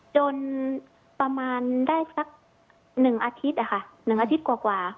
จนประมาณได้สัก๑อาทิตย์๑อาทิตย์กว่า